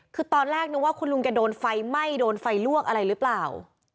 คือตอนแรกนึกว่าคุณลุงแกโดนไฟไหม้โดนไฟลวกอะไรหรือเปล่า